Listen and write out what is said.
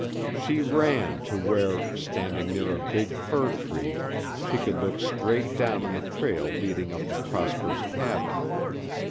She ran to where, standing near a big fir tree, she could look straight down on the trail leading up to Prosper's cabin.